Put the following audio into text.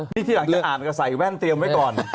นี่ทีหลังจะอ่านก็ใส่แว่นเตรียมไว้ก่อน